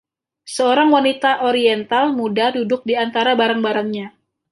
Seorang wanita oriental muda duduk di antara barang-barangnya.